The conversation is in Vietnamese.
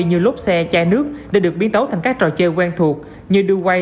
như lốt xe chai nước đã được biến tấu thành các trò chơi quen thuộc như đu quay